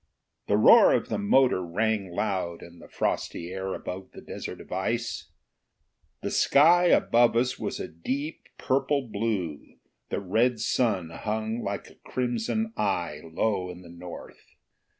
] The roar of the motor rang loud in the frosty air above a desert of ice. The sky above us was a deep purple blue; the red sun hung like a crimson eye low in the north.